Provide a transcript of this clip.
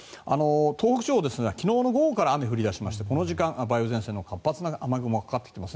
東北地方は昨日の午後から雨が降り出してこの時間梅雨前線の活発な雨雲がかかってきています。